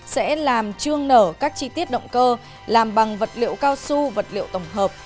sẽ làm chương nở các chi tiết động cơ làm bằng vật liệu cao su vật liệu tổng hợp